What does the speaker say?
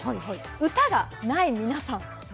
歌がない皆さん。